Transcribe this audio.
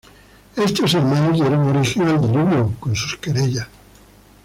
Estos hermanos dieron origen al diluvio con sus querellas.